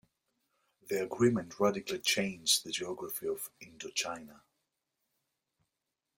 The Agreement radically changed the geography of Indochina.